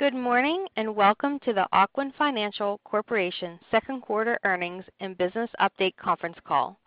Good morning, and Welcome to the Ocwen Financial Corporation Q2 Earnings and Business Update Conference Call.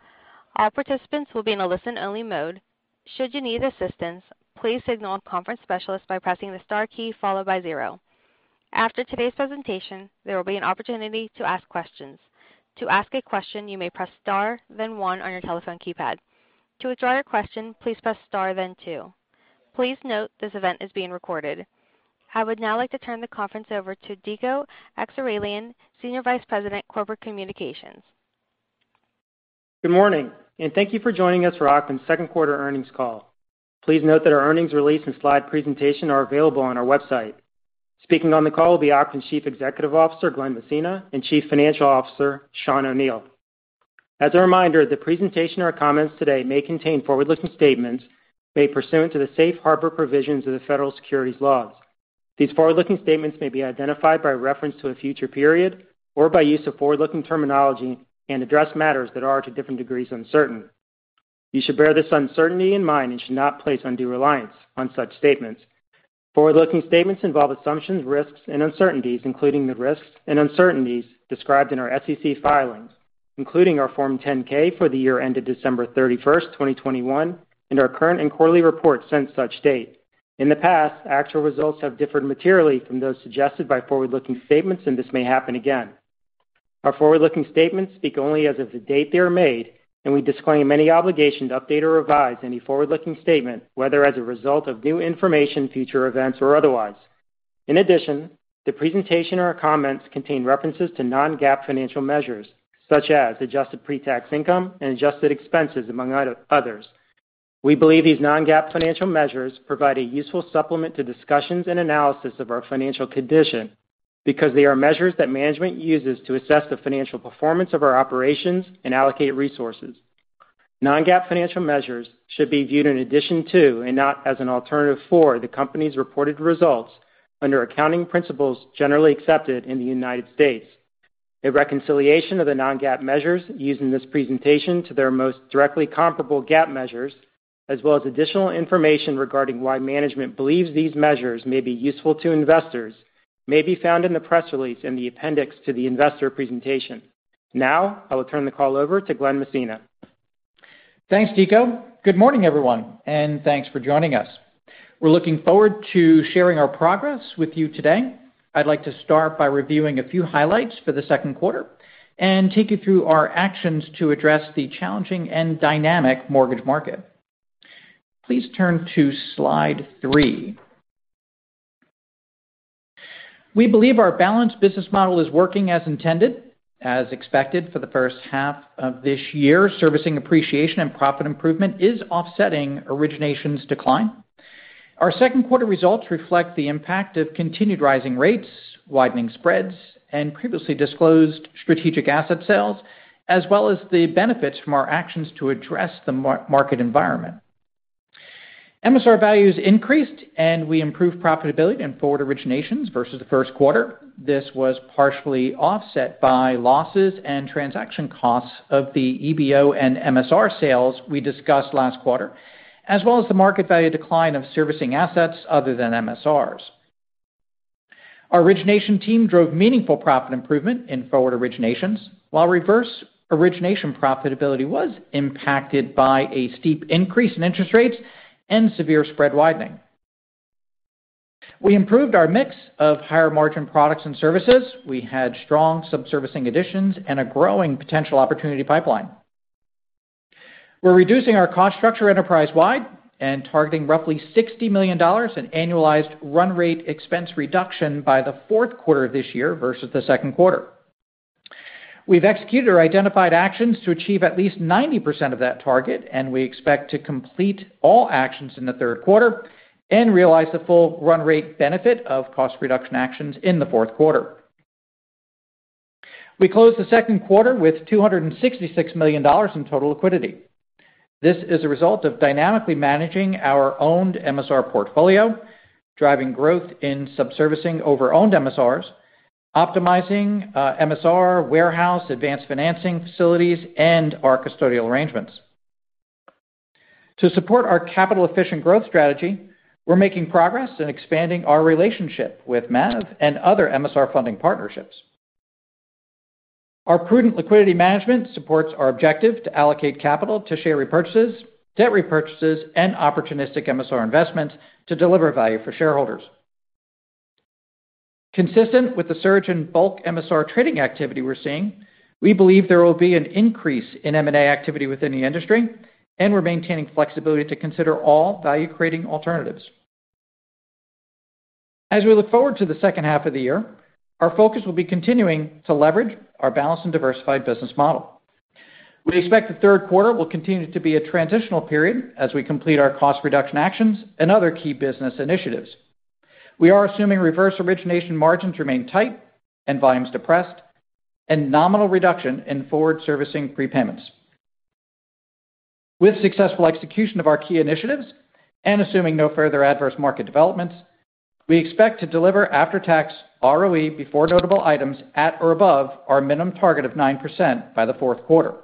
I would now like to turn the conference over to Dico Akseraylian, Senior Vice President, Corporate Communications. Good morning, and thank you for joining us for Ocwen's Q2 earnings call. Please note that our earnings release and slide presentation are available on our website. Speaking on the call will be Ocwen's Chief Executive Officer, Glen Messina, and Chief Financial Officer, Sean O'Neil. As a reminder, the presentation or comments today may contain forward-looking statements made pursuant to the safe harbor provisions of the federal securities laws. These forward-looking statements may be identified by reference to a future period or by use of forward-looking terminology and address matters that are, to different degrees, uncertain. You should bear this uncertainty in mind and should not place undue reliance on such statements. Forward-looking statements involve assumptions, risks, and uncertainties, including the risks and uncertainties described in our SEC filings, including our Form 10-K for the year ended December 31st, 2021, and our current and quarterly reports since such date. In the past, actual results have differed materially from those suggested by forward-looking statements, and this may happen again. Our forward-looking statements speak only as of the date they are made, and we disclaim any obligation to update or revise any forward-looking statement, whether as a result of new information, future events, or otherwise. In addition, the presentation or comments contain references to non-GAAP financial measures, such as adjusted pre-tax income and adjusted expenses, among others. We believe these non-GAAP financial measures provide a useful supplement to discussions and analysis of our financial condition because they are measures that management uses to assess the financial performance of our operations and allocate resources. Non-GAAP financial measures should be viewed in addition to and not as an alternative for the company's reported results under accounting principles generally accepted in the United States. A reconciliation of the non-GAAP measures used in this presentation to their most directly comparable GAAP measures, as well as additional information regarding why management believes these measures may be useful to investors, may be found in the press release in the appendix to the investor presentation. Now, I will turn the call over to Glen Messina. Thanks, Dico. Good morning, everyone, and thanks for joining us. We're looking forward to sharing our progress with you today. I'd like to start by reviewing a few highlights for the Q2 and take you through our actions to address the challenging and dynamic mortgage market. Please turn to Slide three. We believe our balanced business model is working as intended. As expected for the first half of this year, servicing appreciation and profit improvement is offsetting originations decline. Our Q2 results reflect the impact of continued rising rates, widening spreads, and previously disclosed strategic asset sales, as well as the benefits from our actions to address the market environment. MSR values increased, and we improved profitability in forward originations versus the Q1. This was partially offset by losses and transaction costs of the EBO and MSR sales we discussed last quarter, as well as the market value decline of servicing assets other than MSRs. Our origination team drove meaningful profit improvement in forward originations. While reverse origination profitability was impacted by a steep increase in interest rates and severe spread widening. We improved our mix of higher-margin products and services. We had strong subservicing additions and a growing potential opportunity pipeline. We're reducing our cost structure enterprise-wide and targeting roughly $60 million in annualized run rate expense reduction by the Q4 of this year versus the Q2. We've executed our identified actions to achieve at least 90% of that target, and we expect to complete all actions in the Q3 and realize the full run rate benefit of cost reduction actions in the Q4. We closed the Q2 with $266 million in total liquidity. This is a result of dynamically managing our owned MSR portfolio, driving growth in subservicing over owned MSRs, optimizing MSR warehouse, advanced financing facilities, and our custodial arrangements. To support our capital-efficient growth strategy, we're making progress in expanding our relationship with MAV and other MSR funding partnerships. Our prudent liquidity management supports our objective to allocate capital to share repurchases, debt repurchases, and opportunistic MSR investments to deliver value for shareholders. Consistent with the surge in bulk MSR trading activity we're seeing, we believe there will be an increase in M&A activity within the industry, and we're maintaining flexibility to consider all value-creating alternatives. As we look forward to the second half of the year, our focus will be continuing to leverage our balanced and diversified business model. We expect the Q3 will continue to be a transitional period as we complete our cost reduction actions and other key business initiatives. We are assuming reverse origination margins remain tight and volumes depressed and nominal reduction in forward servicing prepayments. With successful execution of our key initiatives and assuming no further adverse market developments, we expect to deliver after-tax ROE before notable items at or above our minimum target of 9% by the Q4.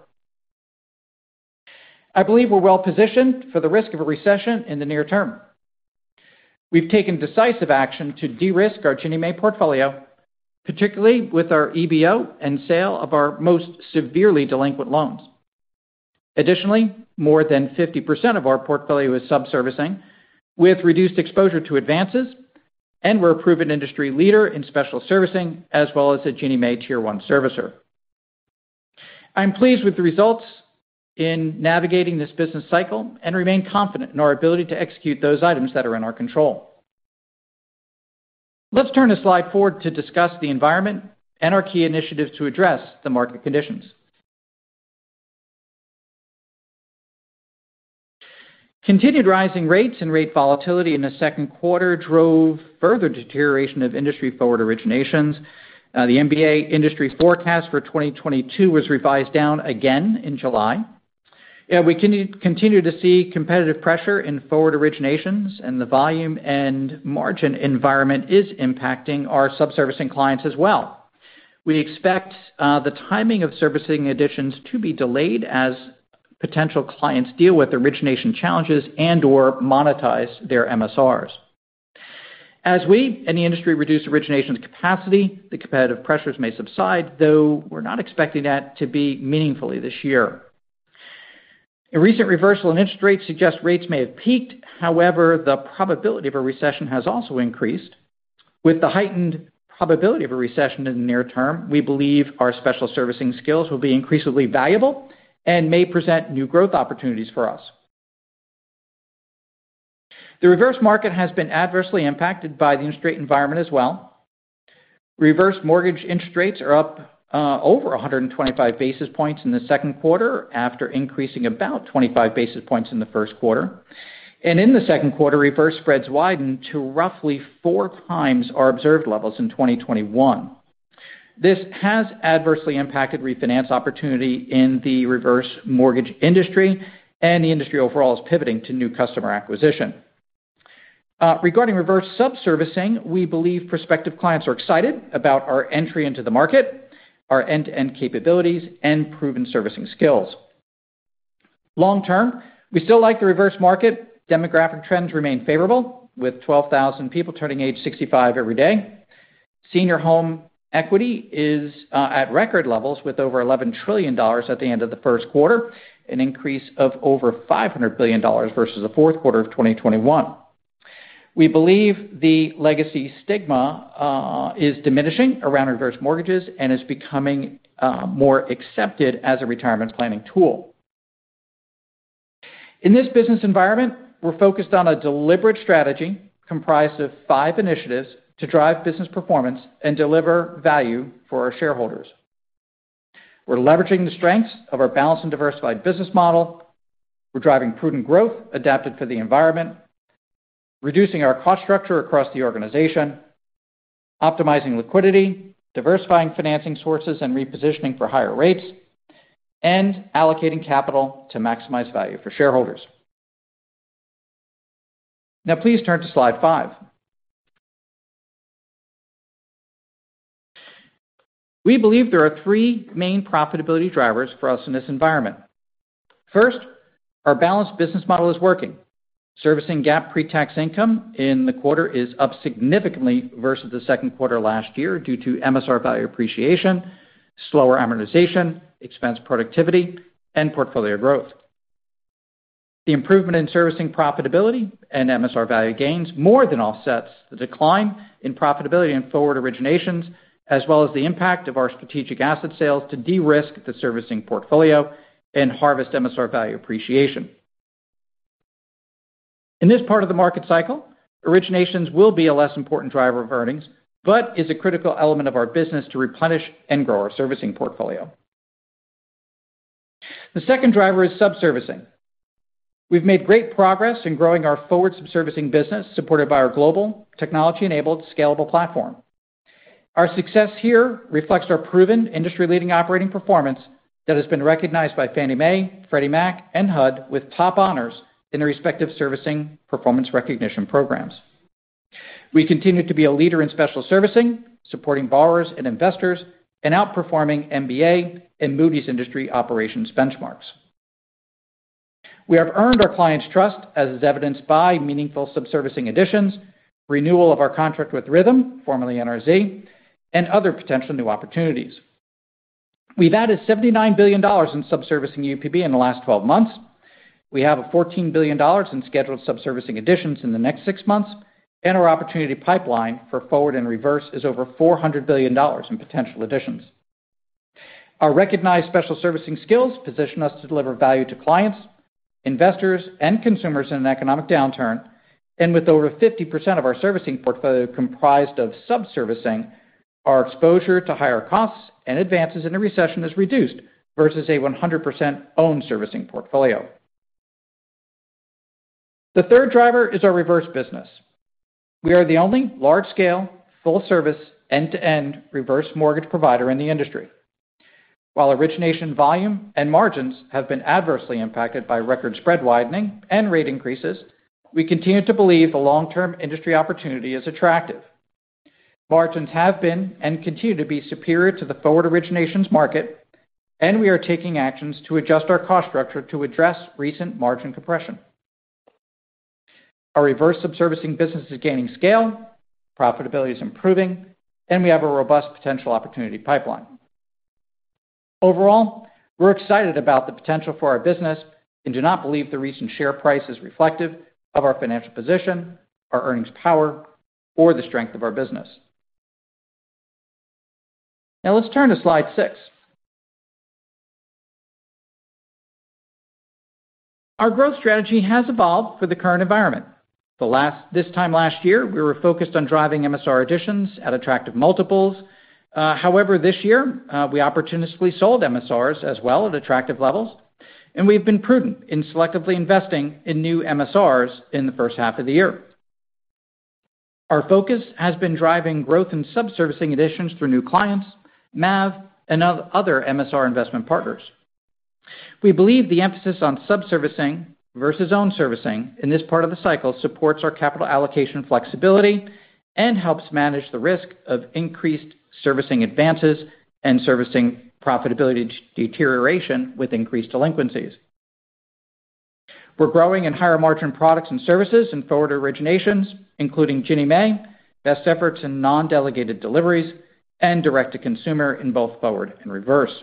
I believe we're well-positioned for the risk of a recession in the near term. We've taken decisive action to de-risk our Ginnie Mae portfolio, particularly with our EBO and sale of our most severely delinquent loans. Additionally, more than 50% of our portfolio is sub-servicing, with reduced exposure to advances, and we're a proven industry leader in special servicing as well as a Ginnie Mae Tier one servicer. I'm pleased with the results in navigating this business cycle and remain confident in our ability to execute those items that are in our control. Let's turn to slide four to discuss the environment and our key initiatives to address the market conditions. Continued rising rates and rate volatility in the Q2 drove further deterioration of industry forward originations. The MBA industry forecast for 2022 was revised down again in July. We continue to see competitive pressure in forward originations and the volume and margin environment is impacting our sub-servicing clients as well. We expect the timing of servicing additions to be delayed as potential clients deal with origination challenges and/or monetize their MSRs. As we and the industry reduce origination capacity, the competitive pressures may subside though, we're not expecting that to be meaningfully this year. A recent reversal in interest rates suggests rates may have peaked. However, the probability of a recession has also increased. With the heightened probability of a recession in the near term, we believe our special servicing skills will be increasingly valuable and may present new growth opportunities for us. The reverse market has been adversely impacted by the interest rate environment as well. Reverse mortgage interest rates are up over 125 basis points in the Q2 after increasing about 25 basis points in the Q1. In the Q2, reverse spreads widened to roughly 4x our observed levels in 2021. This has adversely impacted refinance opportunity in the reverse mortgage industry, and the industry overall is pivoting to new customer acquisition. Regarding reverse sub-servicing, we believe prospective clients are excited about our entry into the market, our end-to-end capabilities, and proven servicing skills. Long term, we still like the reverse market. Demographic trends remain favorable, with 12,000 people turning age 65 every day. Senior home equity is at record levels with over $11 trillion at the end of the Q1, an increase of over $500 billion versus the Q4 of 2021. We believe the legacy stigma is diminishing around reverse mortgages and is becoming more accepted as a retirement planning tool. In this business environment, we're focused on a deliberate strategy comprised of five initiatives to drive business performance and deliver value for our shareholders. We're leveraging the strengths of our balanced and diversified business model. We're driving prudent growth adapted for the environment, reducing our cost structure across the organization, optimizing liquidity, diversifying financing sources, and repositioning for higher rates, and allocating capital to maximize value for shareholders. Now please turn to slide five. We believe there are three main profitability drivers for us in this environment. 1st, our balanced business model is working. Servicing GAAP pre-tax income in the quarter is up significantly versus the Q2 last year due to MSR value appreciation, slower amortization, expense productivity, and portfolio growth. The improvement in servicing profitability and MSR value gains more than offsets the decline in profitability in forward originations, as well as the impact of our strategic asset sales to de-risk the servicing portfolio and harvest MSR value appreciation. In this part of the market cycle, originations will be a less important driver of earnings, but is a critical element of our business to replenish and grow our servicing portfolio. The 2nd driver is sub-servicing. We've made great progress in growing our forward sub-servicing business, supported by our global technology-enabled scalable platform. Our success here reflects our proven industry-leading operating performance that has been recognized by Fannie Mae, Freddie Mac, and HUD with top honors in their respective servicing performance recognition programs. We continue to be a leader in special servicing, supporting borrowers and investors and outperforming MBA and Moody's industry operations benchmarks. We have earned our clients' trust, as is evidenced by meaningful sub-servicing additions, renewal of our contract with Rithm, formerly NRZ, and other potential new opportunities. We've added $79 billion in sub-servicing UPB in the last 12 months. We have $14 billion in scheduled sub-servicing additions in the next six months, and our opportunity pipeline for forward and reverse is over $400 billion in potential additions. Our recognized special servicing skills position us to deliver value to clients, investors, and consumers in an economic downturn. With over 50% of our servicing portfolio comprised of sub-servicing, our exposure to higher costs and advances in a recession is reduced versus a 100% owned servicing portfolio. The 3rd driver is our reverse business. We are the only large scale, full service, end-to-end reverse mortgage provider in the industry. While origination volume and margins have been adversely impacted by record spread widening and rate increases, we continue to believe the long-term industry opportunity is attractive. Margins have been and continue to be superior to the forward originations market, and we are taking actions to adjust our cost structure to address recent margin compression. Our reverse subservicing business is gaining scale, profitability is improving, and we have a robust potential opportunity pipeline. Overall, we're excited about the potential for our business and do not believe the recent share price is reflective of our financial position, our earnings power, or the strength of our business. Now let's turn to slide six. Our growth strategy has evolved for the current environment. This time last year, we were focused on driving MSR additions at attractive multiples. However, this year, we opportunistically sold MSRs as well at attractive levels, and we've been prudent in selectively investing in new MSRs in the first half of the year. Our focus has been driving growth in subservicing additions through new clients, MAV, and other MSR investment partners. We believe the emphasis on subservicing versus own servicing in this part of the cycle supports our capital allocation flexibility and helps manage the risk of increased servicing advances and servicing profitability deterioration with increased delinquencies. We're growing in higher-margin products and services in forward originations, including Ginnie Mae, best efforts in non-delegated deliveries, and direct-to-consumer in both forward and reverse.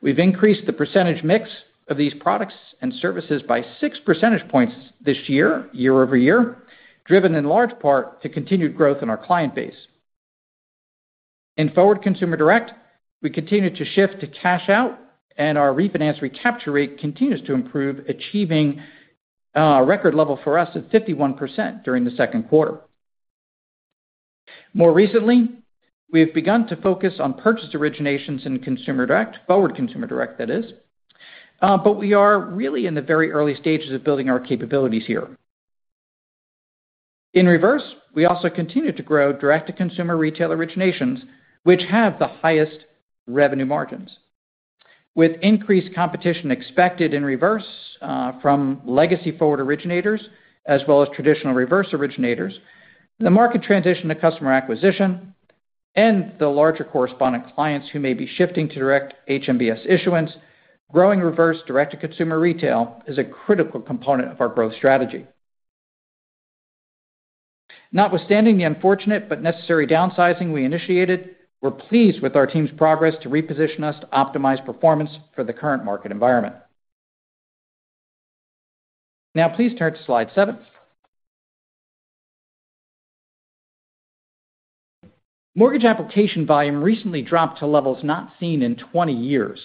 We've increased the percentage mix of these products and services by six percentage points this year-over-year, driven in large part to continued growth in our client base. In forward consumer direct, we continue to shift to cash out, and our refinance recapture rate continues to improve, achieving a record level for us at 51% during the Q2. More recently, we have begun to focus on purchase originations in consumer direct, forward consumer direct that is, but we are really in the very early stages of building our capabilities here. In reverse, we also continue to grow direct-to-consumer retail originations, which have the highest revenue margins. With increased competition expected in reverse, from legacy forward originators as well as traditional reverse originators, the market transition to customer acquisition and the larger correspondent clients who may be shifting to direct HMBS issuance, growing reverse direct-to-consumer retail is a critical component of our growth strategy. Notwithstanding the unfortunate but necessary downsizing we initiated, we're pleased with our team's progress to reposition us to optimize performance for the current market environment. Now please turn to slide seven. Mortgage application volume recently dropped to levels not seen in 20 years.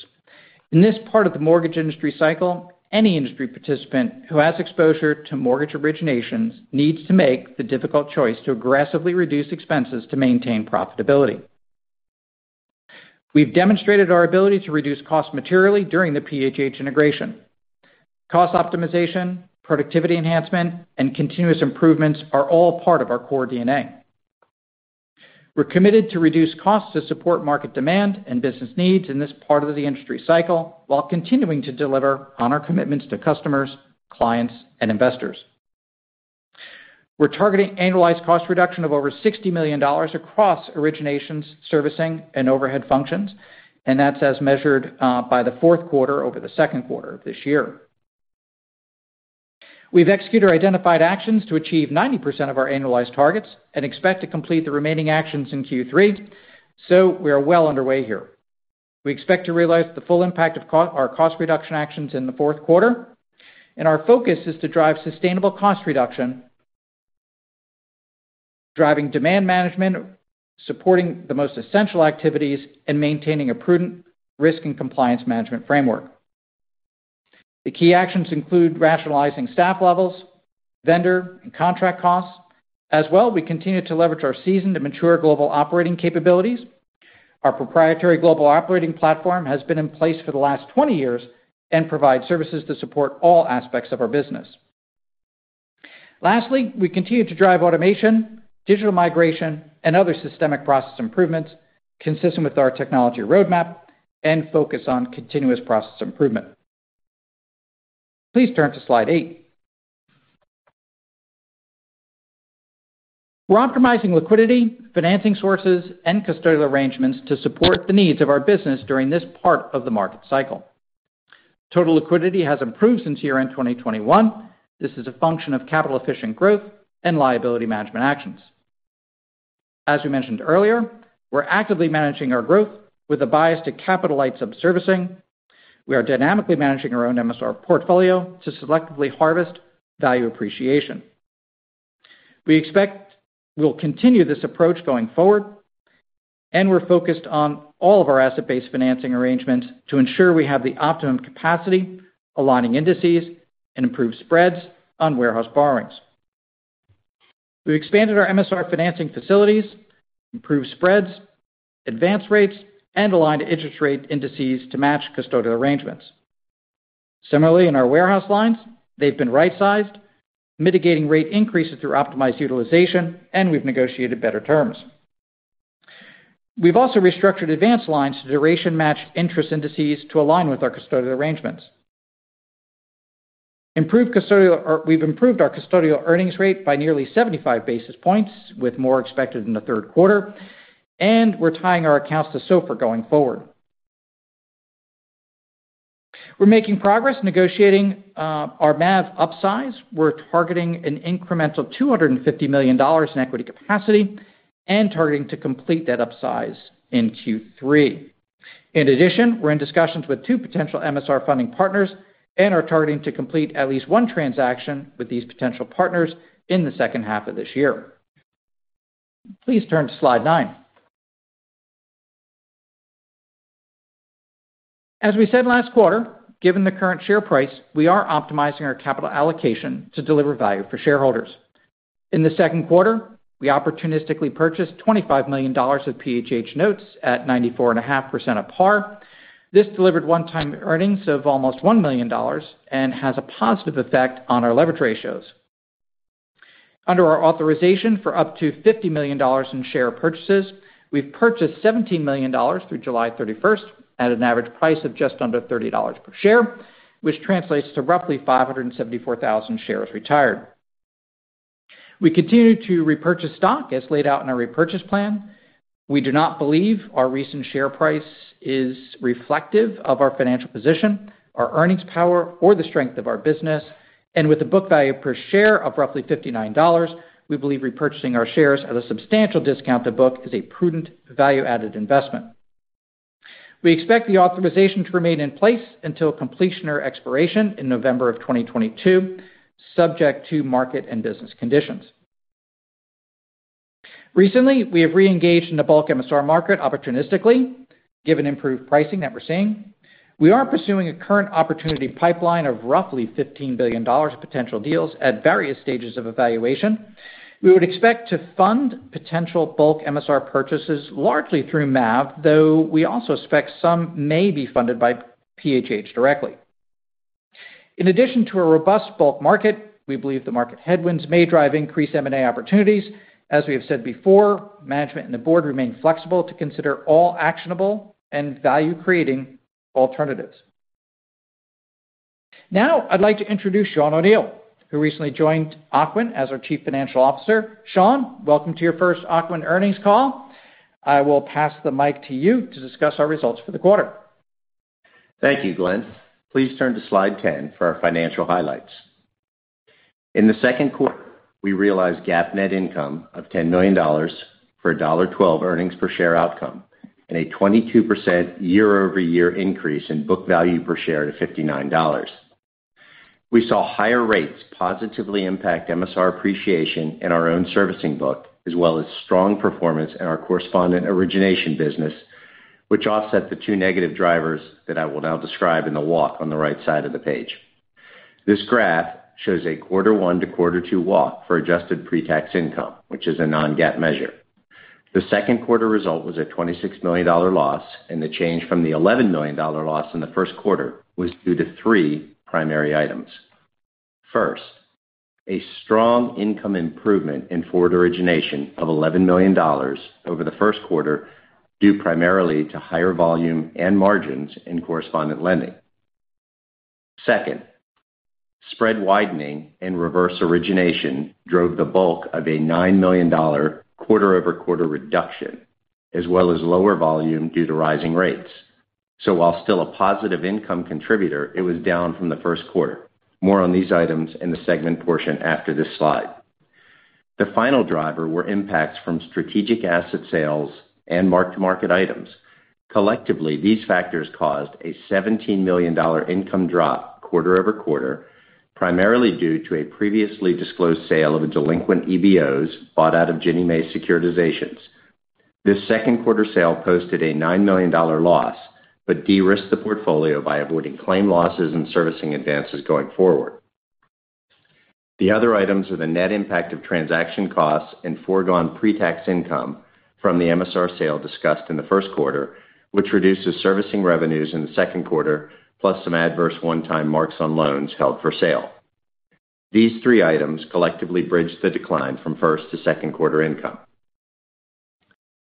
In this part of the mortgage industry cycle, any industry participant who has exposure to mortgage originations needs to make the difficult choice to aggressively reduce expenses to maintain profitability. We've demonstrated our ability to reduce costs materially during the PHH integration. Cost optimization, productivity enhancement, and continuous improvements are all part of our core DNA. We're committed to reduce costs to support market demand and business needs in this part of the industry cycle while continuing to deliver on our commitments to customers, clients, and investors. We're targeting annualized cost reduction of over $60 million across originations, servicing, and overhead functions, and that's as measured by the Q4 over the Q2 of this year. We've executed identified actions to achieve 90% of our annualized targets and expect to complete the remaining actions in Q3, so we are well underway here. We expect to realize the full impact of our cost reduction actions in the Q4, and our focus is to drive sustainable cost reduction, driving demand management, supporting the most essential activities, and maintaining a prudent risk and compliance management framework. The key actions include rationalizing staff levels, vendor, and contract costs. As well, we continue to leverage our seasoned and mature global operating capabilities. Our proprietary global operating platform has been in place for the last 20 years and provides services to support all aspects of our business. Lastly, we continue to drive automation, digital migration, and other systemic process improvements consistent with our technology roadmap and focus on continuous process improvement. Please turn to slide eight. We're optimizing liquidity, financing sources, and custodial arrangements to support the needs of our business during this part of the market cycle. Total liquidity has improved since year-end 2021. This is a function of capital-efficient growth and liability management actions. As we mentioned earlier, we're actively managing our growth with a bias to capitalize subservicing. We are dynamically managing our own MSR portfolio to selectively harvest value appreciation. We expect we'll continue this approach going forward, and we're focused on all of our asset-based financing arrangements to ensure we have the optimum capacity, aligning indices, and improve spreads on warehouse borrowings. We've expanded our MSR financing facilities, improved spreads, advanced rates, and aligned interest rate indices to match custodial arrangements. Similarly, in our warehouse lines, they've been right-sized, mitigating rate increases through optimized utilization, and we've negotiated better terms. We've also restructured advance lines to duration-match interest indices to align with our custodial arrangements. We've improved our custodial earnings rate by nearly 75 basis points, with more expected in the Q3, and we're tying our accounts to SOFR going forward. We're making progress negotiating our MAV upsize. We're targeting an incremental $250 million in equity capacity and targeting to complete that upsize in Q3. In addition, we're in discussions with two potential MSR funding partners and are targeting to complete at least one transaction with these potential partners in the second half of this year. Please turn to slide nine. As we said last quarter, given the current share price, we are optimizing our capital allocation to deliver value for shareholders. In the Q2, we opportunistically purchased $25 million of PHH notes at 94.5% of par. This delivered one-time earnings of almost $1 million and has a positive effect on our leverage ratios. Under our authorization for up to $50 million in share purchases, we've purchased $17 million through July 31st at an average price of just under $30 per share, which translates to roughly 574,000 shares retired. We continue to repurchase stock as laid out in our repurchase plan. We do not believe our recent share price is reflective of our financial position, our earnings power, or the strength of our business. With a book value per share of roughly $59, we believe repurchasing our shares at a substantial discount to book is a prudent value-added investment. We expect the authorization to remain in place until completion or expiration in November 2022, subject to market and business conditions. Recently, we have reengaged in the bulk MSR market opportunistically, given improved pricing that we're seeing. We are pursuing a current opportunity pipeline of roughly $15 billion of potential deals at various stages of evaluation. We would expect to fund potential bulk MSR purchases largely through MAV, though we also expect some may be funded by PHH directly. In addition to a robust bulk market, we believe the market headwinds may drive increased M&A opportunities. As we have said before, management and the board remain flexible to consider all actionable and value-creating alternatives. Now, I'd like to introduce Sean O'Neil, who recently joined Ocwen as our chief financial officer. Sean, welcome to your first Ocwen's earnings call. I will pass the mic to you to discuss our results for the quarter. Thank you, Glen. Please turn to slide 10 for our financial highlights. In the Q2, we realized GAAP net income of $10 million for a $1.12 earnings per share outcome and a 22% year-over-year increase in book value per share to $59. We saw higher rates positively impact MSR appreciation in our own servicing book, as well as strong performance in our correspondent origination business, which offset the two negative drivers that I will now describe in the walk on the right side of the page. This graph shows a Q1-Q2 walk for adjusted pre-tax income, which is a non-GAAP measure. The Q2 result was a $26 million loss, and the change from the $11 million loss in the Q1 was due to three primary items. 1st, a strong income improvement in forward origination of $11 million over the Q1, due primarily to higher volume and margins in correspondent lending. 2nd, spread widening and reverse origination drove the bulk of a $9 million quarter-over-quarter reduction, as well as lower volume due to rising rates. While still a positive income contributor, it was down from the Q1. More on these items in the segment portion after this slide. The final driver were impacts from strategic asset sales and mark-to-market items. Collectively, these factors caused a $17 million income drop quarter-over-quarter, primarily due to a previously disclosed sale of a delinquent EBOs bought out of Ginnie Mae securitizations. This Q2 sale posted a $9 million loss, but de-risked the portfolio by avoiding claim losses and servicing advances going forward. The other items are the net impact of transaction costs and foregone pre-tax income from the MSR sale discussed in the Q1, which reduces servicing revenues in the Q2, plus some adverse one-time marks on loans held for sale. These three items collectively bridge the decline from first to Q2 income.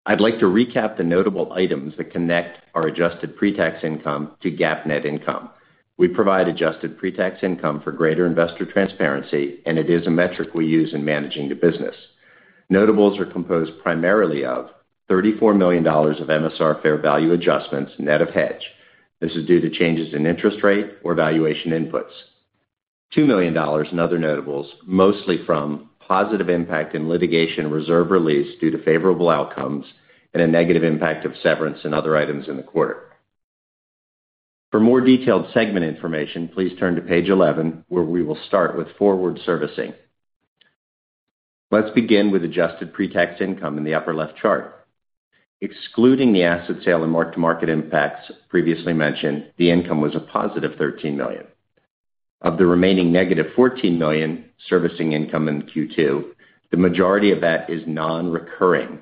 I'd like to recap the notable items that connect our adjusted pre-tax income to GAAP net income. We provide adjusted pre-tax income for greater investor transparency, and it is a metric we use in managing the business. Notables are composed primarily of $34 million of MSR fair value adjustments net of hedge. This is due to changes in interest rate or valuation inputs. $2 million in other notables, mostly from positive impact in litigation reserve release due to favorable outcomes and a negative impact of severance and other items in the quarter. For more detailed segment information, please turn to page 11, where we will start with forward servicing. Let's begin with adjusted pre-tax income in the upper left chart. Excluding the asset sale and mark-to-market impacts previously mentioned, the income was a positive $13 million. Of the remaining negative $14 million servicing income in Q2, the majority of that is non-recurring.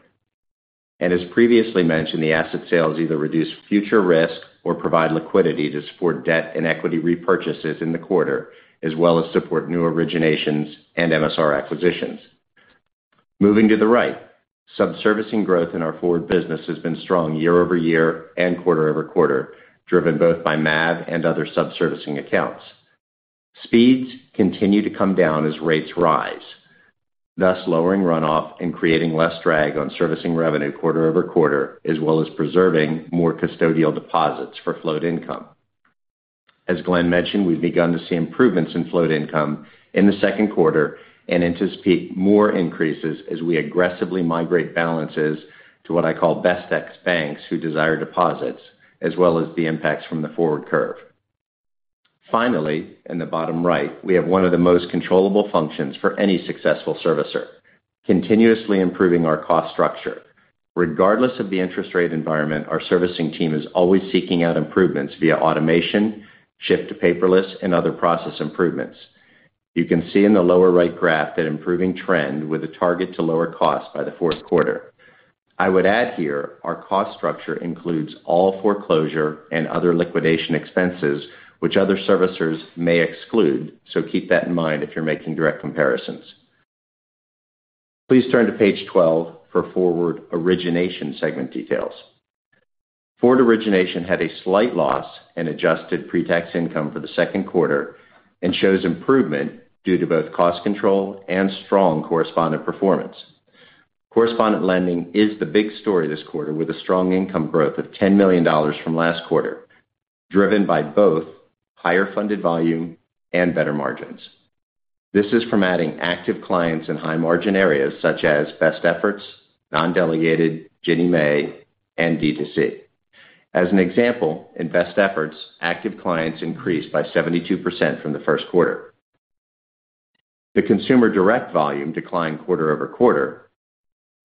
As previously mentioned, the asset sales either reduce future risk or provide liquidity to support debt and equity repurchases in the quarter, as well as support new originations and MSR acquisitions. Moving to the right, subservicing growth in our forward business has been strong year-over-year and quarter-over-quarter, driven both by MAV and other subservicing accounts. Speeds continue to come down as rates rise, thus lowering runoff and creating less drag on servicing revenue quarter-over-quarter, as well as preserving more custodial deposits for float income. As Glen mentioned, we've begun to see improvements in float income in the Q2 and anticipate more increases as we aggressively migrate balances to what I call best-in-class banks who desire deposits, as well as the impacts from the forward curve. Finally, in the bottom right, we have one of the most controllable functions for any successful servicer, continuously improving our cost structure. Regardless of the interest rate environment, our servicing team is always seeking out improvements via automation, shift to paperless, and other process improvements. You can see in the lower right graph that improving trend with a target to lower cost by the Q4. I would add here our cost structure includes all foreclosure and other liquidation expenses which other servicers may exclude. Keep that in mind if you're making direct comparisons. Please turn to page 12 for forward origination segment details. Forward origination had a slight loss in adjusted pre-tax income for the Q2 and shows improvement due to both cost control and strong correspondent performance. Correspondent lending is the big story this quarter with a strong income growth of $10 million from last quarter, driven by both higher funded volume and better margins. This is from adding active clients in high margin areas such as best efforts, non-delegated, Ginnie Mae, and D2C. As an example, in best efforts, active clients increased by 72% from the Q1. The consumer direct volume declined quarter-over-quarter,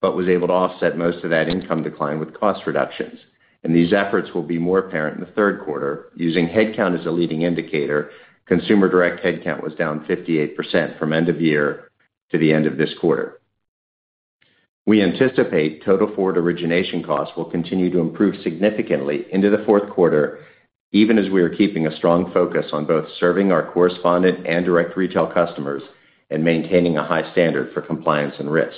but was able to offset most of that income decline with cost reductions, and these efforts will be more apparent in the Q3. Using headcount as a leading indicator, consumer direct headcount was down 58% from end-of-year to the end of this quarter. We anticipate total forward origination costs will continue to improve significantly into the Q4, even as we are keeping a strong focus on both serving our correspondent and direct retail customers and maintaining a high standard for compliance and risk.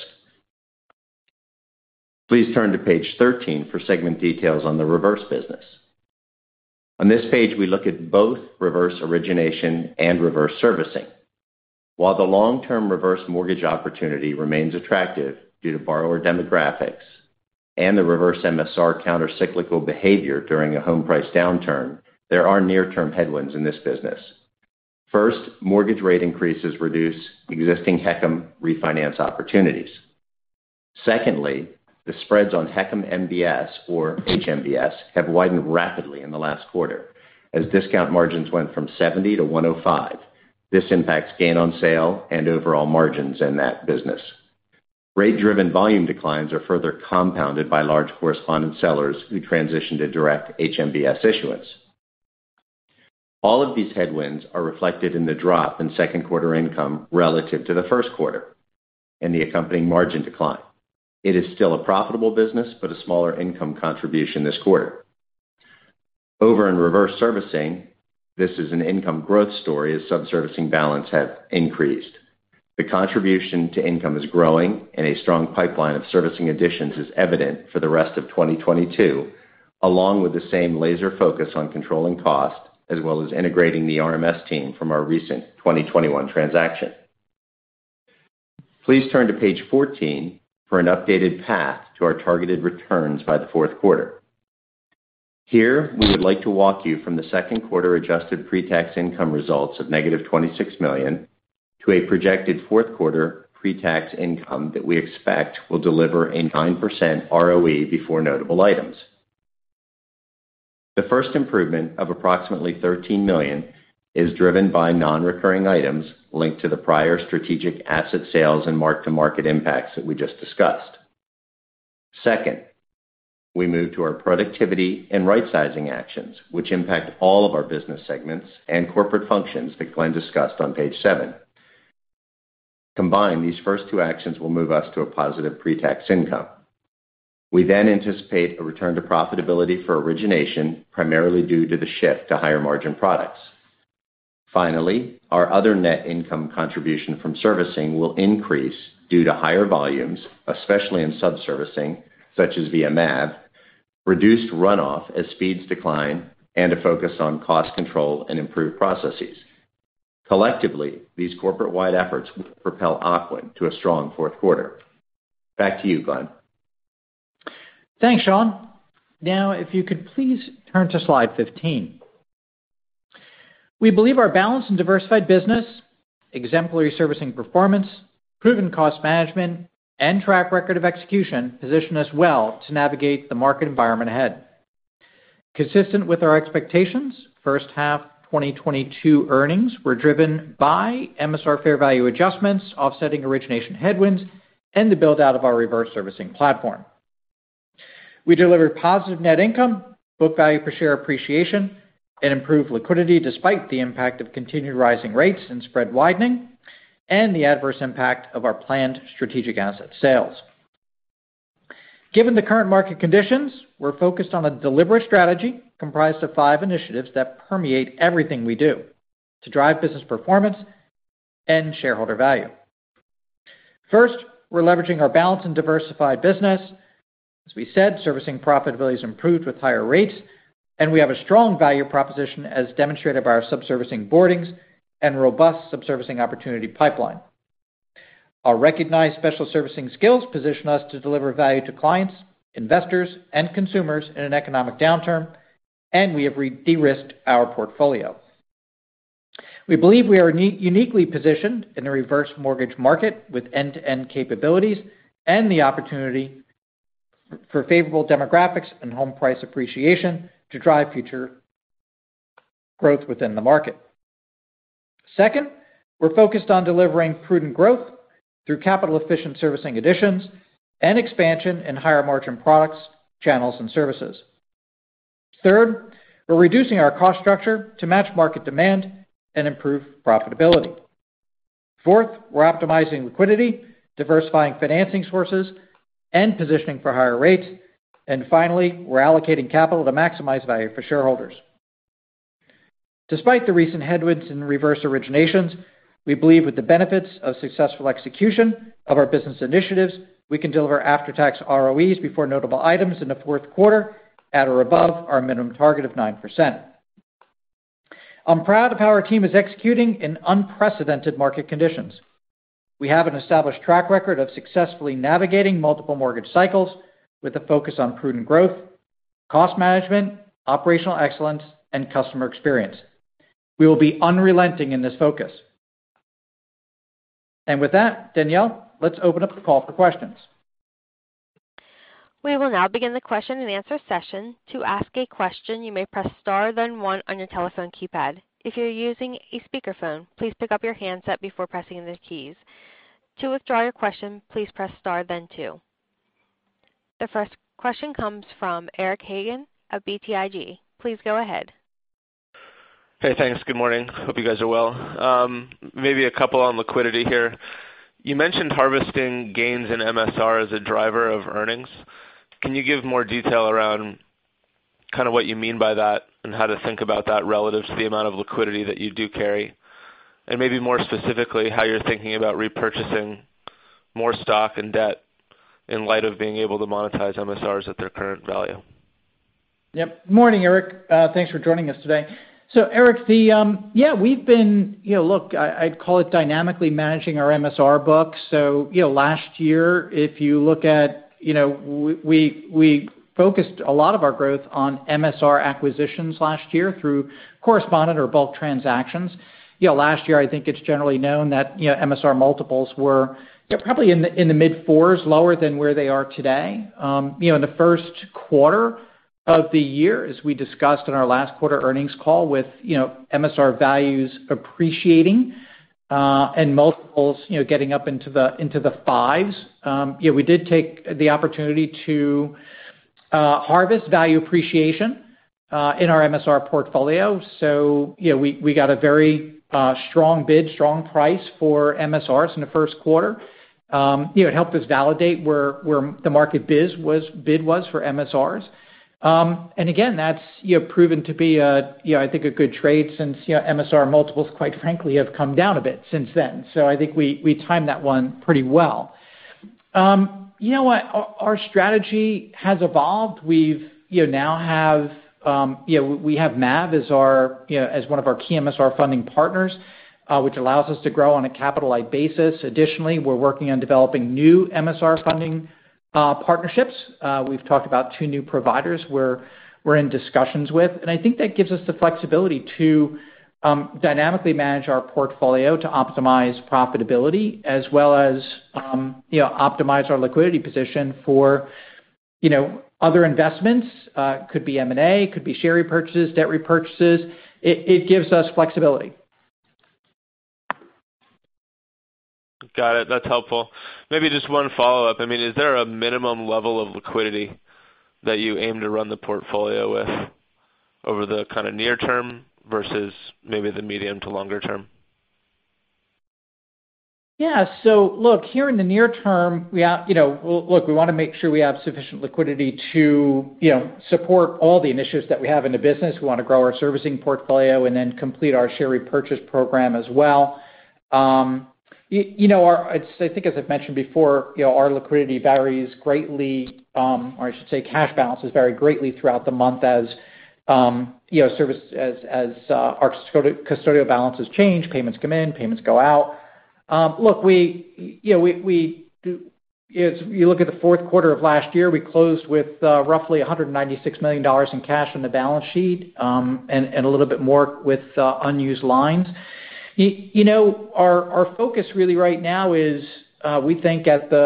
Please turn to page 13 for segment details on the reverse business. On this page, we look at both reverse origination and reverse servicing. While the long-term reverse mortgage opportunity remains attractive due to borrower demographics and the reverse MSR counter-cyclical behavior during a home price downturn, there are near-term headwinds in this business. 1st, mortgage rate increases reduce existing HECM refinance opportunities. 2nd, the spreads on HECM MBS or HMBS have widened rapidly in the last quarter as discount margins went from 70-105. This impacts gain on sale and overall margins in that business. Rate-driven volume declines are further compounded by large correspondent sellers who transition to direct HMBS issuance. All of these headwinds are reflected in the drop in Q2 income relative to the Q1 and the accompanying margin decline. It is still a profitable business, but a smaller income contribution this quarter. Over in reverse servicing, this is an income growth story as subservicing balances have increased. The contribution to income is growing, and a strong pipeline of servicing additions is evident for the rest of 2022, along with the same laser focus on controlling costs as well as integrating the RMS team from our recent 2021 transaction. Please turn to page 14 for an updated path to our targeted returns by the Q4. Here, we would like to walk you from the Q2 adjusted pre-tax income results of -$26 million to a projected Q4 pre-tax income that we expect will deliver a 9% ROE before notable items. The 1st improvement of approximately $13 million is driven by non-recurring items linked to the prior strategic asset sales and mark-to-market impacts that we just discussed. 2nd, we move to our productivity and rightsizing actions, which impact all of our business segments and corporate functions that Glen discussed on page seven. Combined, these first two actions will move us to a positive pre-tax income. We then anticipate a return to profitability for origination, primarily due to the shift to higher margin products. Finally, our other net income contribution from servicing will increase due to higher volumes, especially in subservicing, such as via MAV, reduced runoff as speeds decline, and a focus on cost control and improved processes. Collectively, these corporate-wide efforts will propel Ocwen to a strong Q4. Back to you, Glen. Thanks, Sean. Now, if you could please turn to slide 15. We believe our balanced and diversified business, exemplary servicing performance, proven cost management, and track record of execution position us well to navigate the market environment ahead. Consistent with our expectations, first half 2022 earnings were driven by MSR fair value adjustments, offsetting origination headwinds, and the build-out of our reverse servicing platform. We delivered positive net income, book value per share appreciation, and improved liquidity despite the impact of continued rising rates and spread widening and the adverse impact of our planned strategic asset sales. Given the current market conditions, we're focused on a deliberate strategy comprised of five initiatives that permeate everything we do to drive business performance and shareholder value. 1st, we're leveraging our balanced and diversified business. As we said, servicing profitability is improved with higher rates, and we have a strong value proposition as demonstrated by our sub-servicing boardings and robust sub-servicing opportunity pipeline. Our recognized special servicing skills position us to deliver value to clients, investors, and consumers in an economic downturn, and we have de-risked our portfolio. We believe we are uniquely positioned in the reverse mortgage market with end-to-end capabilities and the opportunity for favorable demographics and home price appreciation to drive future growth within the market. 2nd, we're focused on delivering prudent growth through capital-efficient servicing additions and expansion in higher margin products, channels, and services. 3rd, we're reducing our cost structure to match market demand and improve profitability. 4th, we're optimizing liquidity, diversifying financing sources, and positioning for higher rates. Finally, we're allocating capital to maximize value for shareholders. Despite the recent headwinds in reverse originations, we believe with the benefits of successful execution of our business initiatives, we can deliver after-tax ROEs before notable items in the Q4 at or above our minimum target of 9%. I'm proud of how our team is executing in unprecedented market conditions. We have an established track record of successfully navigating multiple mortgage cycles with a focus on prudent growth, cost management, operational excellence, and customer experience. We will be unrelenting in this focus. With that, Danielle, let's open up the call for questions. We will now begin the question-and-answer session. The 1st question comes from Eric Hagen of BTIG. Please go ahead. Hey, thanks. Good morning. Hope you guys are well. Maybe a couple on liquidity here. You mentioned harvesting gains in MSR as a driver of earnings. Can you give more detail around kind of what you mean by that and how to think about that relative to the amount of liquidity that you do carry? Maybe more specifically, how you're thinking about repurchasing more stock and debt in light of being able to monetize MSRs at their current value. Yep. Morning, Eric. Thanks for joining us today. Eric, the. You know, look, I'd call it dynamically managing our MSR book. You know, last year, if you look at, you know, we focused a lot of our growth on MSR acquisitions last year through correspondent or bulk transactions. You know, last year, I think it's generally known that, you know, MSR multiples were, you know, probably in the mid-fours, lower than where they are today. You know, in the Q1 of the year, as we discussed in our last quarter earnings call with, you know, MSR values appreciating, and multiples, you know, getting up into the fives, you know, we did take the opportunity to harvest value appreciation in our MSR portfolio. We got a very strong bid, strong price for MSRs in the Q1. You know, it helped us validate where the market bid was for MSRs. Again, that's you know proven to be a you know I think a good trade since you know MSR multiples quite frankly have come down a bit since then. I think we timed that one pretty well. You know what? Our strategy has evolved. We now have MAV as our you know as one of our key MSR funding partners, which allows us to grow on a capital-light basis. Additionally, we're working on developing new MSR funding partnerships. We've talked about two new providers we're in discussions with, and I think that gives us the flexibility to dynamically manage our portfolio to optimize profitability as well as, you know, optimize our liquidity position for, you know, other investments. Could be M&A, could be share repurchases, debt repurchases. It gives us flexibility. Got it. That's helpful. Maybe just one follow-up. I mean, is there a minimum level of liquidity that you aim to run the portfolio with over the kind a near term versus maybe the medium to longer term? Yeah. Look, here in the near term, we want to make sure we have sufficient liquidity to support all the initiatives that we have in the business. We want to grow our servicing portfolio and then complete our share repurchase program as well. You know, our liquidity varies greatly, or I should say cash balances vary greatly throughout the month as our servicing custodial balances change, payments come in, payments go out. Look, we do. If you look at the Q4 of last year, we closed with roughly $196 million in cash on the balance sheet, and a little bit more with unused lines. You know, our focus really right now is, we think, you know,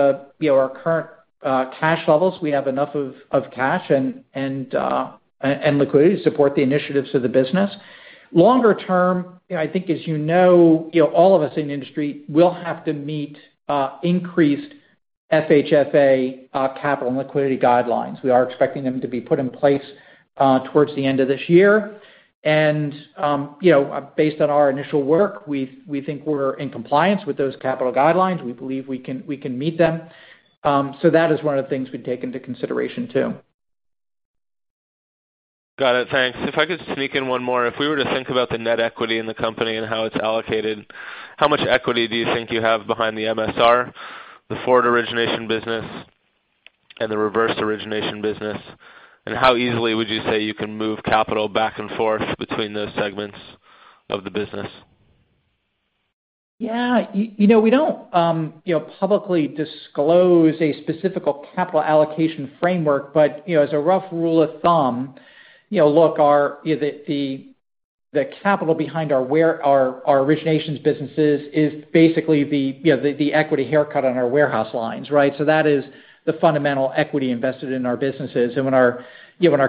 at our current cash levels, we have enough cash and liquidity to support the initiatives of the business. Longer term, you know, I think as you know, you know, all of us in the industry will have to meet increased FHFA capital and liquidity guidelines. We are expecting them to be put in place towards the end of this year. You know, based on our initial work, we think we're in compliance with those capital guidelines. We believe we can meet them. That is one of the things we take into consideration too. Got it. Thanks. If I could sneak in one more. If we were to think about the net equity in the company and how it's allocated, how much equity do you think you have behind the MSR, the forward origination business, and the reverse origination business? And how easily would you say you can move capital back and forth between those segments of the business? Yeah. You know, we don't publicly disclose a specific capital allocation framework. You know, as a rough rule of thumb, you know, look, the capital behind our originations businesses is basically the, you know, the equity haircut on our warehouse lines, right? That is the fundamental equity invested in our businesses. When our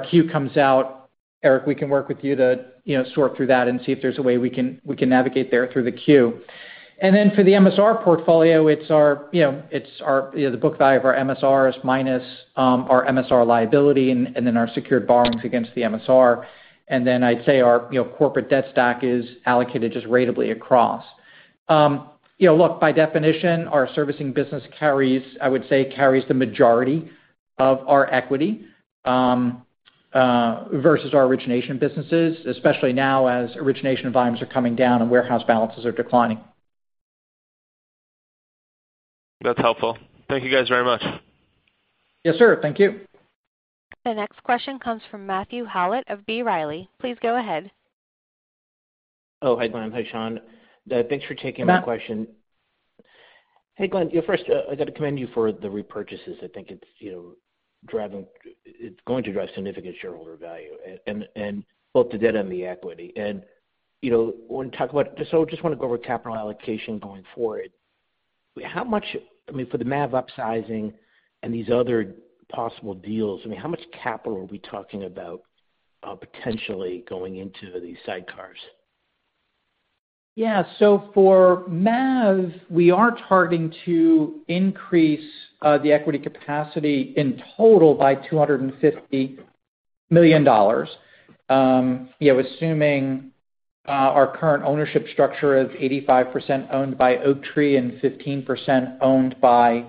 Q comes out, Eric, we can work with you to, you know, sort through that and see if there's a way we can navigate there through the Q. For the MSR portfolio, it's our the book value of our MSRs minus our MSR liability and then our secured borrowings against the MSR. I'd say our, you know, corporate debt stack is allocated just ratably across. You know, look, by definition, our servicing business carries, I would say, the majority of our equity versus our origination businesses, especially now as origination volumes are coming down and warehouse balances are declining. That's helpful. Thank you guys very much. Yes, sir. Thank you. The next question comes from Matthew Howlett of B. Riley. Please go ahead. Oh, hi, Glen. Hi, Sean. Thanks for taking my question. Matt. Hey, Glen. First, I got to commend you for the repurchases. I think it's, you know, going to drive significant shareholder value and both the debt and the equity. You know, just wanna go over capital allocation going forward. How much I mean, for the MAV upsizing and these other possible deals, I mean, how much capital are we talking about potentially going into these sidecars? Yeah. For MAV, we are targeting to increase the equity capacity in total by $250 million. You know, assuming our current ownership structure is 85% owned by Oaktree and 15% owned by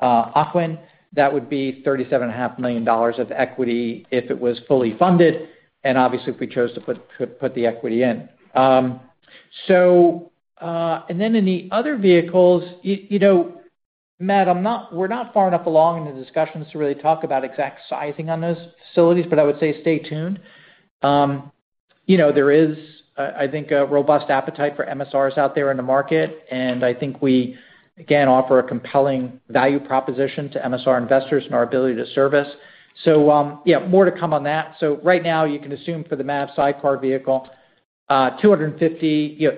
Ocwen, that would be $37.5 million of equity if it was fully funded and obviously if we chose to put the equity in. In the other vehicles, you know, Matt, we're not far enough along in the discussions to really talk about exact sizing on those facilities, but I would say stay tuned. You know, there is, I think, a robust appetite for MSRs out there in the market, and I think we again offer a compelling value proposition to MSR investors and our ability to service. Yeah, more to come on that. Right now you can assume for the MAV sidecar vehicle, 250.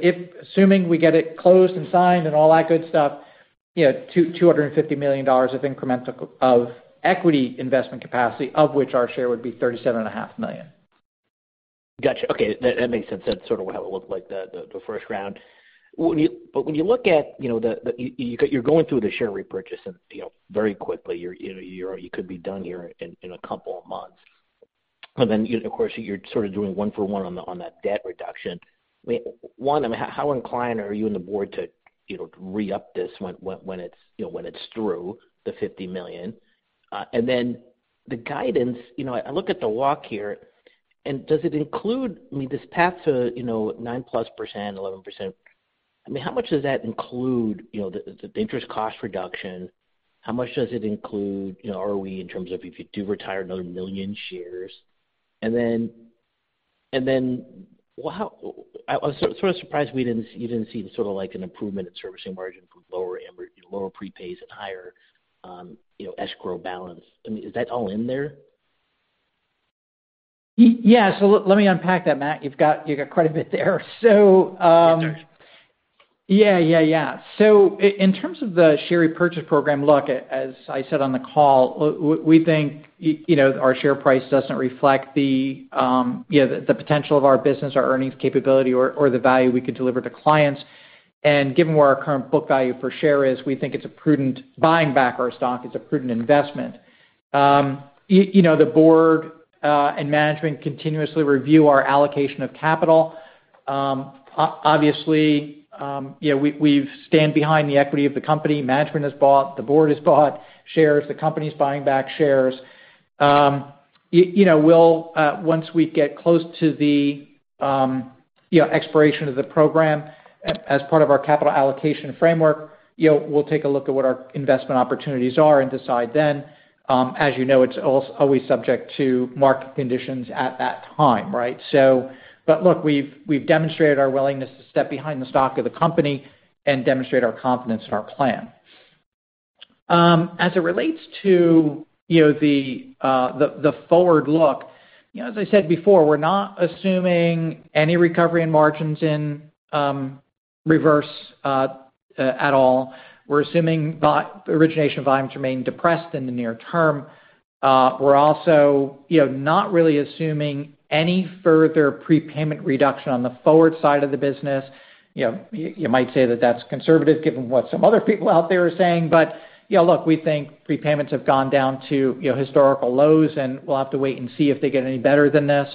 Assuming we get it closed and signed and all that good stuff, you know, $250 million of incremental of equity investment capacity, of which our share would be $37.5 million. Gotcha. Okay. That makes sense. That's sort of what it looked like the first round. When you look at, you know, you're going through the share repurchase and, you know, very quickly you could be done here in a couple of months. Of course, you're sort of doing one for one on that debt reduction. I mean, how inclined are you and the board to, you know, re-up this when it's through the $50 million? The guidance, you know, I look at the walk here and does it include? I mean, this path to, you know, 9%+, 11%, I mean, how much does that include, you know, the interest cost reduction? How much does it include, you know, ROE in terms of if you do retire another 1 million shares? How I was sort of surprised you didn't see sort of like an improvement in servicing margin from lower amortization, lower prepays and higher, you know, escrow balance. I mean, is that all in there? Yes. Let me unpack that, Matt. You've got quite a bit there. Yes, sir. Yeah. In terms of the share repurchase program, look, as I said on the call, we think, you know, our share price doesn't reflect the, you know, the potential of our business, our earnings capability or the value we could deliver to clients. Given where our current book value per share is, we think it's a prudent buying back our stock, it's a prudent investment. You know, the board and management continuously review our allocation of capital. Obviously, you know, we stand behind the equity of the company. Management has bought, the board has bought shares, the company is buying back shares. You know, we'll once we get close to the expiration of the program as part of our capital allocation framework, you know, we'll take a look at what our investment opportunities are and decide then. As you know, it's always subject to market conditions at that time, right? Look, we've demonstrated our willingness to step behind the stock of the company and demonstrate our confidence in our plan. As it relates to, you know, the forward look, you know, as I said before, we're not assuming any recovery in margins in reverse at all. We're assuming origination volumes remain depressed in the near term. We're also, you know, not really assuming any further prepayment reduction on the forward side of the business. You know, you might say that that's conservative given what some other people out there are saying. You know, look, we think prepayments have gone down to, you know, historical lows, and we'll have to wait and see if they get any better than this.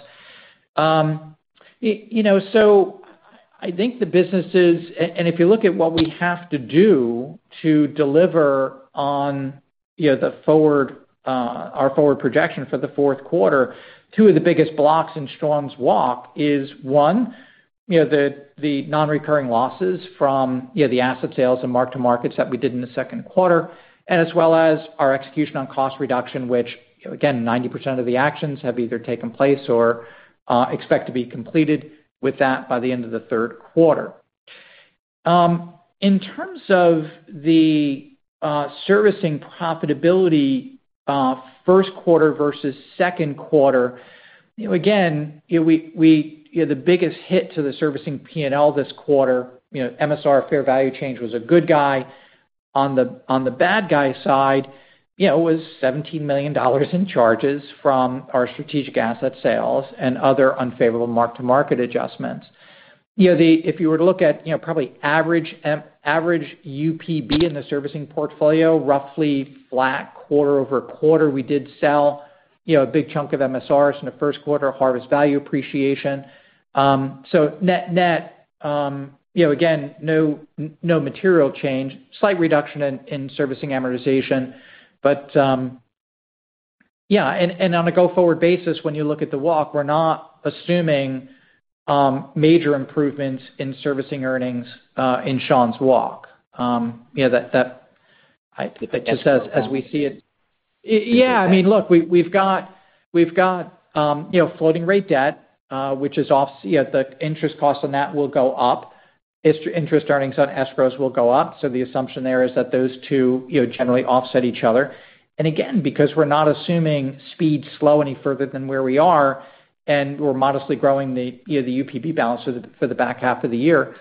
I think the businesses and if you look at what we have to do to deliver on, you know, the forward, our forward projection for the Q4, two of the biggest blocks in Sean’s walk is one, you know, the non-recurring losses from, you know, the asset sales and mark-to-markets that we did in the Q2, and as well as our execution on cost reduction, which, you know, again, 90% of the actions have either taken place or expect to be completed with that by the end of the Q3. In terms of the servicing profitability, Q1 versus Q2, you know, again, you know, the biggest hit to the servicing P&L this quarter, you know, MSR fair value change was a good guy. On the bad guy side, you know, was $17 million in charges from our strategic asset sales and other unfavorable mark-to-market adjustments. You know, if you were to look at, you know, probably average UPB in the servicing portfolio, roughly flat quarter-over-quarter. We did sell, you know, a big chunk of MSRs in the Q1, harvest value appreciation. So net-net, you know, again, no material change. Slight reduction in servicing amortization. Yeah. On a go-forward basis, when you look at the walk, we're not assuming major improvements in servicing earnings in Sean's walk. You know, that. I think that's fair. Just as we see it. Yeah. I mean, look, we've got you know, floating rate debt, which is off you know, the interest cost on that will go up. Interest earnings on escrows will go up. So the assumption there is that those two you know, generally offset each other. Again, because we're not assuming speeds slow any further than where we are, and we're modestly growing the you know, the UPB balance for the back half of the year,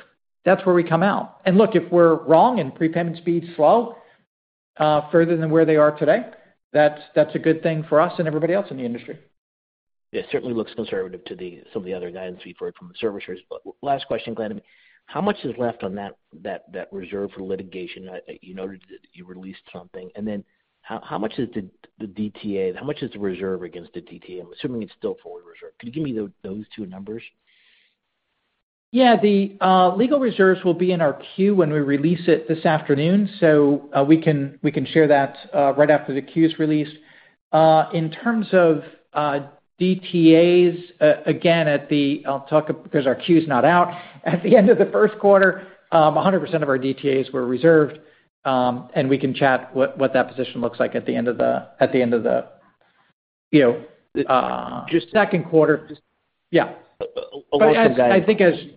that's where we come out. Look, if we're wrong and prepayment speeds slow further than where they are today, that's a good thing for us and everybody else in the industry. It certainly looks conservative to some of the other guidance we've heard from the servicers. Last question, Glen. How much is left on that reserve for litigation? You noted that you released something. How much is the DTA, how much is the reserve against the DTA? I'm assuming it's still forward reserve. Can you give me those two numbers? Yeah. The legal reserves will be in our Q when we release it this afternoon, so we can share that right after the Q is released. In terms of DTAs, again, I'll talk, because our Q's not out. At the end of the Q1, 100% of our DTAs were reserved, and we can chat what that position looks like at the end of the. Just- Q2. Just- Yeah. Long-term guidance.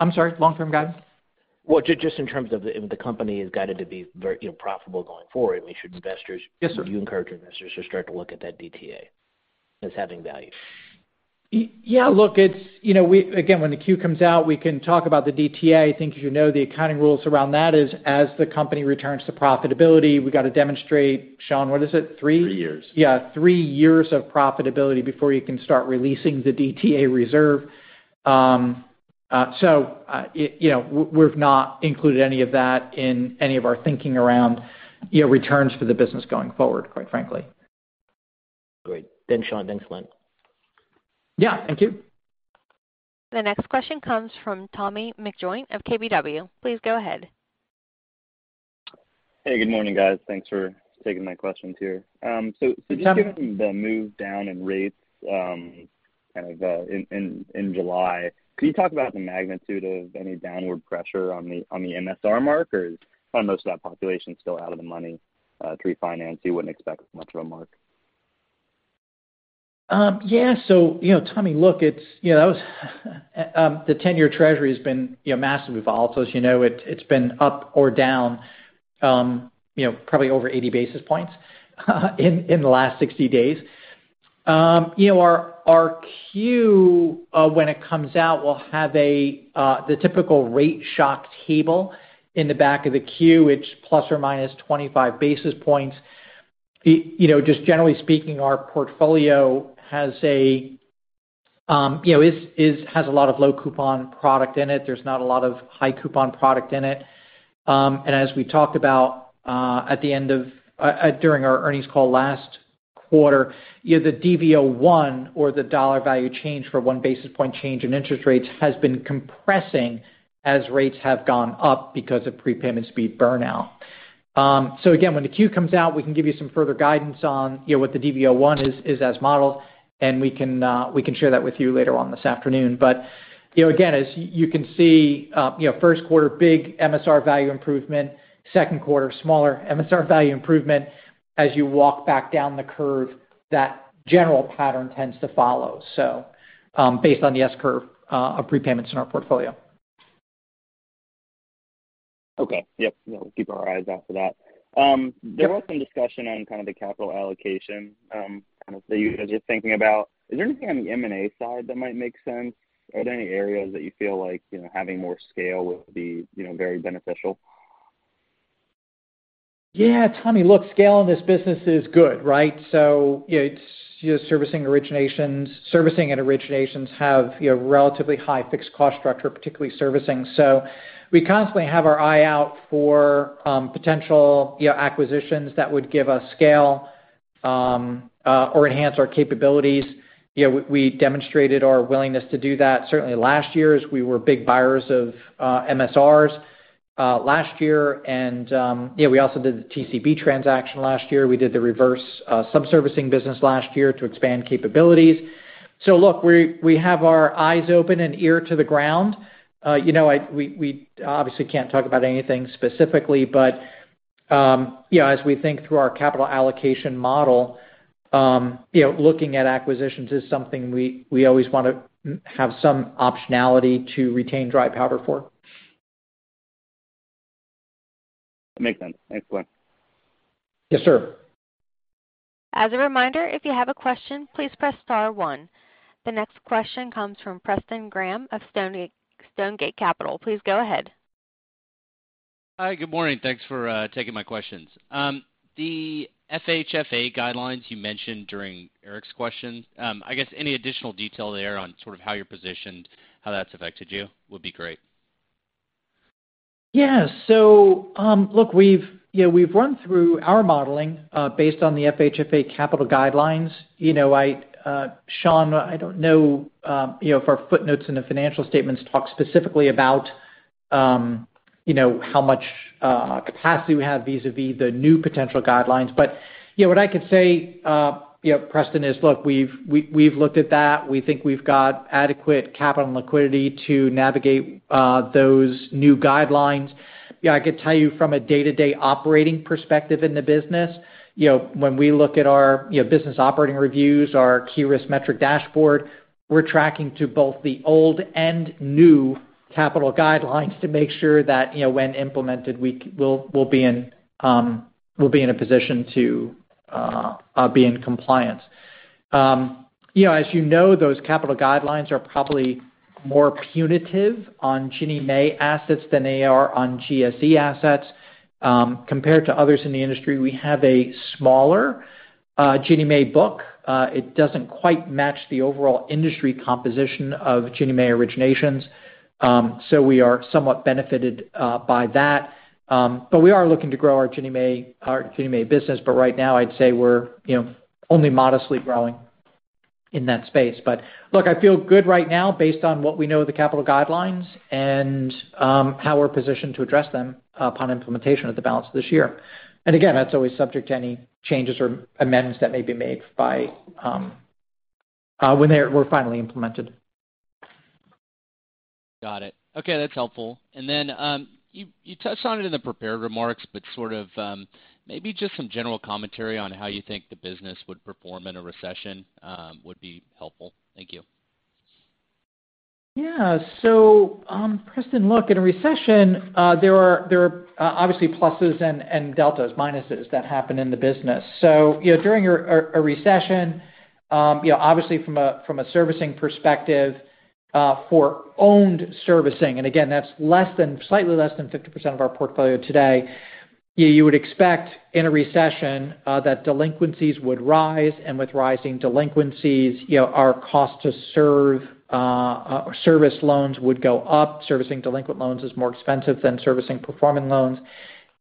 I'm sorry, long-term guidance? Well, just in terms of if the company has guided to be very, you know, profitable going forward, we should investors. Yes, sir. Would you encourage investors to start to look at that DTA as having value? Yeah, look, it's, you know, again, when the Q comes out, we can talk about the DTA. I think you know the accounting rules around that is as the company returns to profitability, we gotta demonstrate, Sean, what is it? three? Three years. Yeah. Three years of profitability before you can start releasing the DTA reserve. You know, we've not included any of that in any of our thinking around, you know, returns for the business going forward, quite frankly. Great. Thanks, Sean. Thanks, Glen. Yeah. Thank you. The next question comes from Tommy McJoynt of KBW. Please go ahead. Hey, good morning, guys. Thanks for taking my questions here. Hi, Tommy. Given the move down in rates, kind of, in July, can you talk about the magnitude of any downward pressure on the MSR mark, or is probably most of that population still out of the money, to refinance, you wouldn't expect much of a mark? Yeah. You know, Tommy, look, it's, you know, the 10-year Treasury has been, you know, massively volatile. As you know, it's been up or down, you know, probably over 80 basis points in the last 60 days. You know, our Q when it comes out will have the typical rate shock table in the back of the Q. It's ±25 basis points. You know, just generally speaking, our portfolio has a lot of low coupon product in it. There's not a lot of high coupon product in it. As we talked about during our earnings call last quarter, you know, the DV01 or the dollar value change for one basis point change in interest rates has been compressing as rates have gone up because of prepayment speed burnout. Again, when the 10-Q comes out, we can give you some further guidance on, you know, what the DV01 is as modeled, and we can share that with you later on this afternoon. You know, again, as you can see, you know, Q1, big MSR value improvement, Q2, smaller MSR value improvement. As you walk back down the curve, that general pattern tends to follow. Based on the S-curve of prepayments in our portfolio. Okay. Yep. You know, we'll keep our eyes out for that. There was some discussion on kind of the capital allocation, kind of that you guys are thinking about. Is there anything on the M&A side that might make sense? Are there any areas that you feel like, you know, having more scale would be, you know, very beneficial? Yeah. Tommy, look, scale in this business is good, right? It's, you know, servicing originations. Servicing and originations have, you know, relatively high fixed cost structure, particularly servicing. We constantly have our eye out for, potential, you know, acquisitions that would give us scale, or enhance our capabilities. You know, we demonstrated our willingness to do that certainly last year as we were big buyers of, MSRs, last year. You know, we also did the TCB transaction last year. We did the reverse subservicing business last year to expand capabilities. Look, we have our eyes open and ear to the ground. You know, we obviously can't talk about anything specifically, but you know, as we think through our capital allocation model, you know, looking at acquisitions is something we always wanna have some optionality to retain dry powder for. Makes sense. Thanks, Glen. Yes, sir. The next question comes from Preston Graham of Stonegate Capital. Please go ahead. Hi, good morning. Thanks for taking my questions. The FHFA guidelines you mentioned during Eric's question, I guess any additional detail there on sort of how you're positioned, how that's affected you would be great. Yeah. Look, we've run through our modeling based on the FHFA capital guidelines. You know, Sean, I don't know if our footnotes in the financial statements talk specifically about how much capacity we have vis-à-vis the new potential guidelines. You know, what I could say, Preston, is look, we've looked at that. We think we've got adequate capital and liquidity to navigate those new guidelines. Yeah, I could tell you from a day-to-day operating perspective in the business, you know, when we look at our, you know, business operating reviews, our key risk metric dashboard, we're tracking to both the old and new capital guidelines to make sure that, you know, when implemented, we'll be in a position to be in compliance. You know, as you know, those capital guidelines are probably more punitive on Ginnie Mae assets than they are on GSE assets. Compared to others in the industry, we have a smaller Ginnie Mae book. It doesn't quite match the overall industry composition of Ginnie Mae originations, so we are somewhat benefited by that. We are looking to grow our Ginnie Mae business. Right now, I'd say we're, you know, only modestly growing in that space. Look, I feel good right now based on what we know of the capital guidelines and how we're positioned to address them upon implementation of Basel this year. Again, that's always subject to any changes or amendments that may be made by when they're finally implemented. Got it. Okay, that's helpful. Then, you touched on it in the prepared remarks, but sort of, maybe just some general commentary on how you think the business would perform in a recession, would be helpful. Thank you. Yeah. Preston, look, in a recession, there are obviously pluses and deltas, minuses that happen in the business. You know, during a recession, you know, obviously from a servicing perspective, for owned servicing, and again, that's slightly less than 50% of our portfolio today, you would expect in a recession that delinquencies would rise, and with rising delinquencies, you know, our cost to service loans would go up. Servicing delinquent loans is more expensive than servicing performing loans.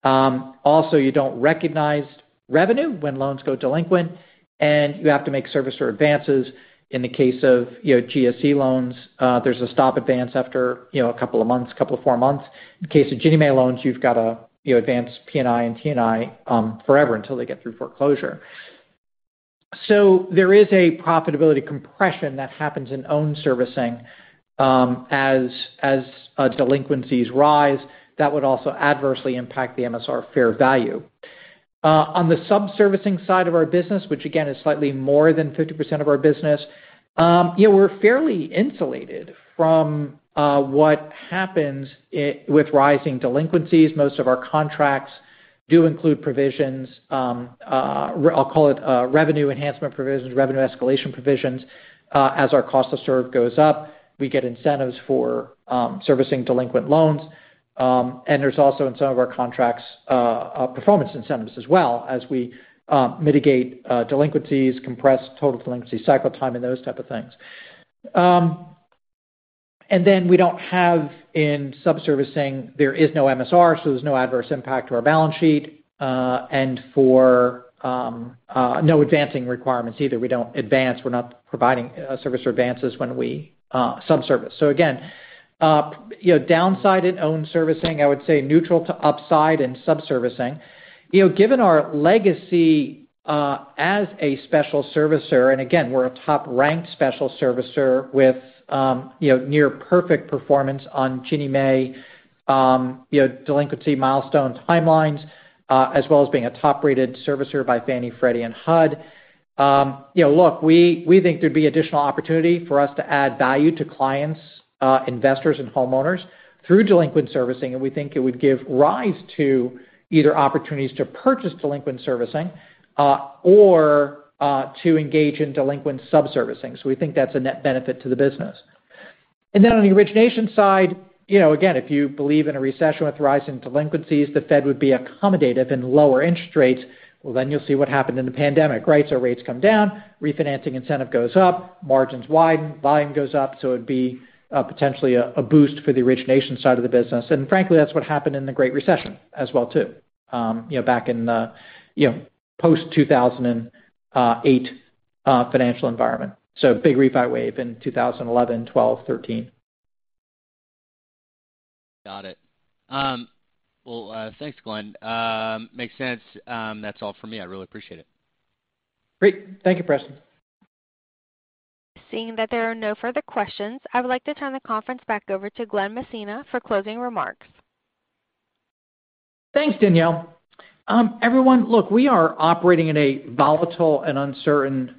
Also, you don't recognize revenue when loans go delinquent, and you have to make servicer advances. In the case of, you know, GSE loans, there's a stop advance after, you know, a couple of months, four months. In case of Ginnie Mae loans, you've got to, you know, advance P&I and T&I forever until they get through foreclosure. There is a profitability compression that happens in own servicing as delinquencies rise that would also adversely impact the MSR fair value. On the subservicing side of our business, which again is slightly more than 50% of our business, you know, we're fairly insulated from what happens with rising delinquencies. Most of our contracts do include provisions. I'll call it revenue enhancement provisions, revenue escalation provisions. As our cost to serve goes up, we get incentives for servicing delinquent loans. There's also in some of our contracts performance incentives as well as we mitigate delinquencies, compress total delinquency cycle time, and those type of things. We don't have in subservicing, there is no MSR, so there's no adverse impact to our balance sheet, and no advancing requirements either. We don't advance. We're not providing servicer advances when we subservice. Again, you know, downside in own servicing, I would say neutral to upside and subservicing. You know, given our legacy as a special servicer, and again, we're a top-ranked special servicer with you know, near perfect performance on Ginnie Mae, you know, delinquency milestone timelines, as well as being a top-rated servicer by Fannie, Freddie, and HUD. You know, look, we think there'd be additional opportunity for us to add value to clients, investors, and homeowners through delinquent servicing, and we think it would give rise to either opportunities to purchase delinquent servicing, or to engage in delinquent subservicing. We think that's a net benefit to the business. Then on the origination side, you know, again, if you believe in a recession with rising delinquencies, the Fed would be accommodative in lower interest rates. Well, then you'll see what happened in the pandemic, right? Rates come down, refinancing incentive goes up, margins widen, volume goes up. It'd be potentially a boost for the origination side of the business. Frankly, that's what happened in the Great Recession as well too, you know, back in, you know, post-2008 financial environment. Big refi wave in 2011, 2012, 2013. Got it. Well, thanks, Glen. Makes sense. That's all for me. I really appreciate it. Great. Thank you, Preston. Seeing that there are no further questions, I would like to turn the conference back over to Glen Messina for closing remarks. Thanks, Danielle. Everyone, look, we are operating in a volatile and uncertain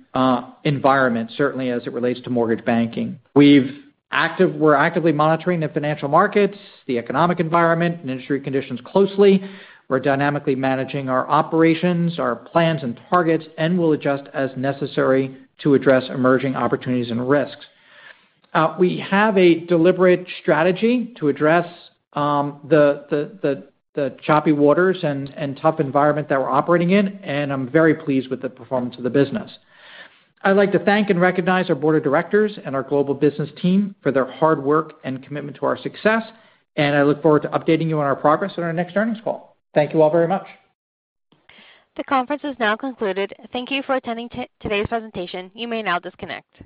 environment, certainly as it relates to mortgage banking. We're actively monitoring the financial markets, the economic environment, and industry conditions closely. We're dynamically managing our operations, our plans and targets, and we'll adjust as necessary to address emerging opportunities and risks. We have a deliberate strategy to address the choppy waters and tough environment that we're operating in, and I'm very pleased with the performance of the business. I'd like to thank and recognize our board of directors and our global business team for their hard work and commitment to our success, and I look forward to updating you on our progress on our next earnings call. Thank you all very much. The conference is now concluded. Thank you for attending today's presentation. You may now disconnect.